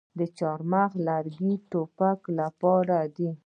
د چهارمغز لرګي د ټوپک لپاره دي.